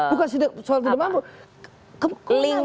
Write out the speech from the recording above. bukan soal tidak mampu